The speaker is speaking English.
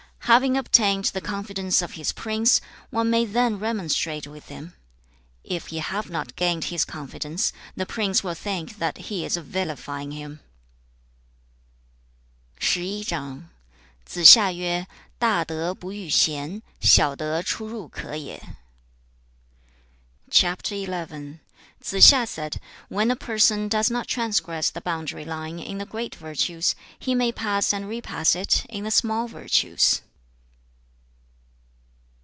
Having obtained the confidence of his prince, one may then remonstrate with him. If he have not gained his confidence, the prince will think that he is vilifying him.' CHAP. XI. Tsze hsia said, 'When a person does not transgress the boundary line in the great virtues, he may pass and repass it in the small virtues.'